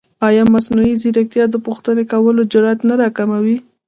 ایا مصنوعي ځیرکتیا د پوښتنې کولو جرئت نه راکموي؟